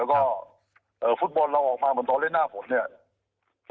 แล้วก็ฟุตบอลเราออกมาเหมือนตอนเล่นหน้าฝนเนี่ย